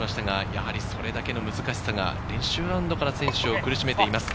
やはりそれだけの難しさが練習ラウンドから選手を苦しめています。